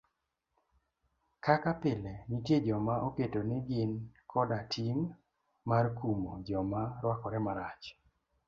Kaka pile nitie joma oketo ni gin koda ting' mar kumo joma rwakore marach.